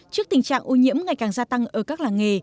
trước tình trạng ô nhiễm ngày càng gia tăng ở các làng nghề